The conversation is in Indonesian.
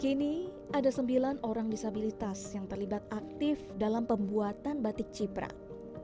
kini ada sembilan orang disabilitas yang terlibat aktif dalam pembuatan batik ciprat